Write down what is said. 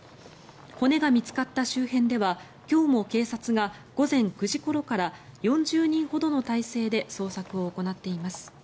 骨が見つかった周辺では今日も警察が午前９時ごろから４０人ほどの態勢で捜索を行っています。